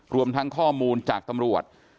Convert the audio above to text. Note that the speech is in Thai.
รวมทั้งข้อมูลจากตำรวจ